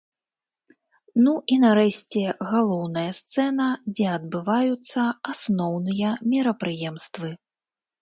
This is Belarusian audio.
Ну і, нарэшце, галоўная сцэна, дзе адбываюцца асноўныя мерапрыемствы.